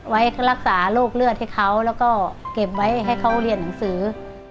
รักษาโรคเลือดให้เขาแล้วก็เก็บไว้ให้เขาเรียนหนังสือ